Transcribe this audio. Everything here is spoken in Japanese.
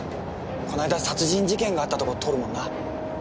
この間殺人事件があったとこ通るもんな。